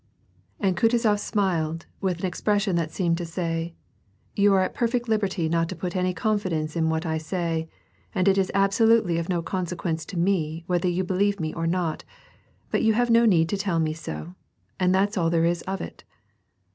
And Kutuzof smiled, with an expression that seemed to say : You are at perfect liberty not to put any confidence in what I say, and it is absolutely of no consequence to me whether you believe me or not, but you have no need to tell me so. And that' s all there is of it.